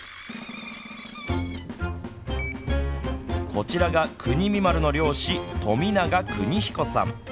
こちらが邦美丸の漁師富永邦彦さん。